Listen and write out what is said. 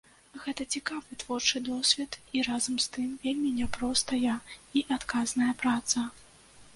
Гэта цікавы творчы досвед і, разам з тым, вельмі няпростая і адказная праца.